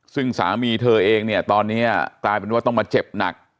ซึ่งสามีเธอเองเนี่ยตอนนี้กลายเป็นว่าต้องมาเจ็บหนัก